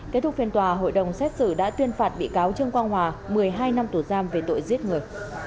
kết thúc phiên tòa hội đồng xét xử đã tuyên phạt bị cáo trương quang hòa một mươi hai năm tù giam về tội giết người